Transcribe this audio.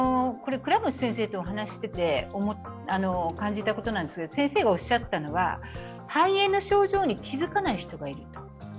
倉持先生とお話ししてて感じたことですが、先生がおっしゃったのは肺炎の症状に気付かない人がいると。